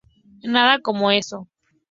Nada como eso.